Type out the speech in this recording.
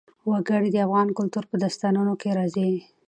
وګړي د افغان کلتور په داستانونو کې راځي.